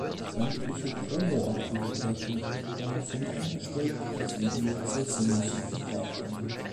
Sämtliche Promo-Aktivitäten wurden daraufhin eingestellt und das Video zur Single vom Markt genommen.